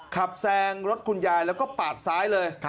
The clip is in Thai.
แซงรถคุณยายแล้วก็ปาดซ้ายเลย